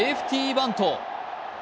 バント。